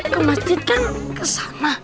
ke masjid kan ke sana